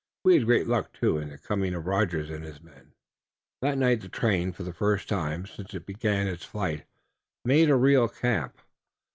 We had great luck, too, in the coming of Rogers and his men." That night the train, for the first time since it began its flight, made a real camp.